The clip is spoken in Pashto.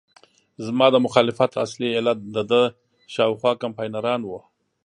زما د مخالفت اصلي علت دده شاوخوا کمپاینران وو.